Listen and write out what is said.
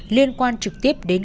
liên quan trực tiếp đến